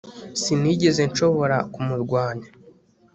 sinigeze nshobora kumurwanya